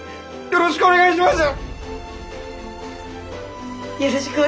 よろしくお願いします！